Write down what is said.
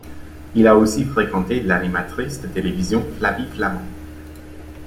Il a aussi fréquenté l'animatrice de télévision Flavie Flament.